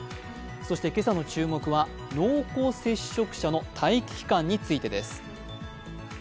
そして今朝の注目は濃厚接触者の待機期間についてです。